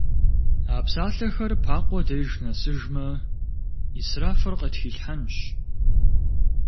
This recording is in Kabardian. А псалъэхэр Пакъуэ деж нэсыжмэ, ӏисрафыр къытхилъхьэнщ.